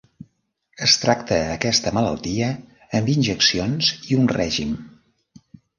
Es tracta aquesta malaltia amb injeccions i un règim.